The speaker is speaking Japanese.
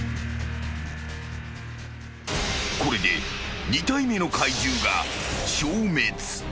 ［これで２体目の怪獣が消滅］